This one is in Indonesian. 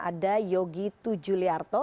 ada yogi tujuliarto